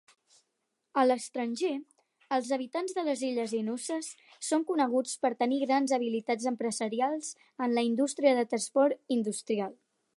A l'estranger, els habitants de les illes Inusses són coneguts per tenir grans habilitats empresarials en la indústria del transport industrial.